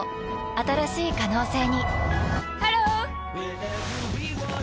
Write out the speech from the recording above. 新しい可能性にハロー！